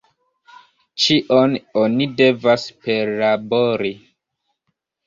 Ĉion oni devas perlabori.